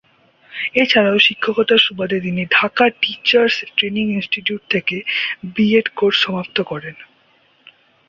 এছাড়াও শিক্ষকতার সুবাদে তিনি ঢাকা টিচার্স ট্রেনিং ইনস্টিটিউট থেকে বিএড কোর্স সমাপ্ত করেন।